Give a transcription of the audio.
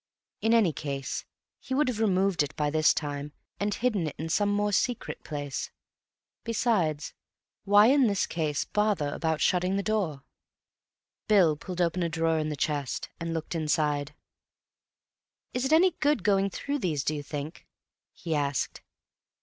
In any case he would have removed it by this time, and hidden it in some more secret place. Besides, why in this case bother about shutting the door? Bill pulled open a drawer in the chest, and looked inside. "Is it any good going through these, do you think?" he asked.